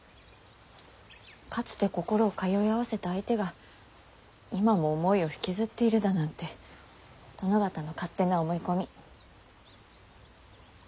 かつて心を通い合わせた相手が今も思いを引きずっているだなんて殿方の勝手な思い込み。